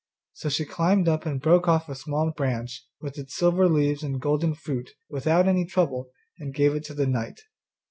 So she climbed up and broke off a small branch with its silver leaves and golden fruit without any trouble, and gave it to the knight.